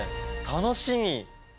楽しみ！